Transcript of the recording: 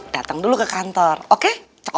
datang dulu ke kantor oke